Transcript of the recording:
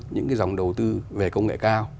những cái dòng đầu tư về công nghệ cao